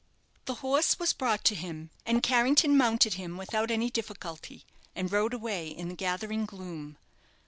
The horse was brought to him, and Carrington mounted him without any difficulty, and rode away in the gathering gloom.